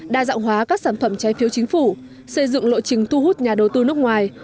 đa dạng hóa các sản phẩm trái phiếu chính phủ xây dựng lộ trình thu hút nhà đầu tư nước ngoài